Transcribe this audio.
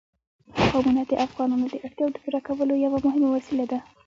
قومونه د افغانانو د اړتیاوو د پوره کولو یوه مهمه وسیله ده.